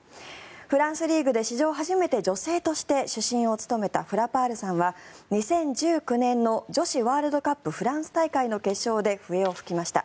フランスリーグで史上初めて女性として主審を務めたフラパールさんは２０１９年の女子ワールドカップフランス大会の決勝で笛を吹きました。